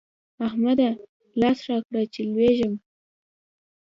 احمده! لاس راکړه چې لوېږم.